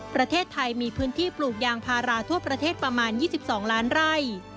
ประเทศไทยมีพื้นที่ปลูกยางพาราทั่วประเทศประมาณ๒๒ล้านไร่